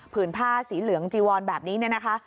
ื่นผ้าสีเหลืองจีวอนแบบนี้เนี่ยนะคะ